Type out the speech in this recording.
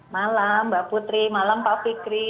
malam mbak putri malam pak fikri